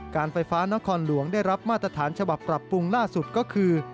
การไฟฟ้านครหลวงได้รับมาตรฐานฉบับปรับปรุงล่าสุดก็คือ